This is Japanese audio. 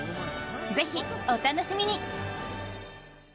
ぜひお楽しみに！